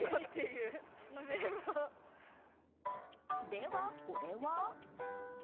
では、これは？